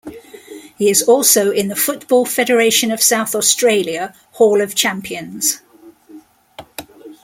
He is also in the Football Federation of South Australia Hall of Champions.